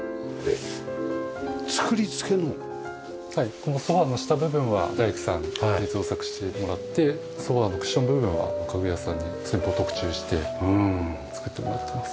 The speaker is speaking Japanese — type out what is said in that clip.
このソファの下部分は大工さんに造作してもらってソファのクッション部分は家具屋さんに寸法特注して作ってもらってます。